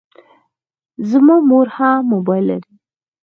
زما مور هم موبایل لري.